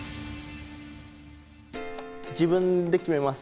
自分で決めます。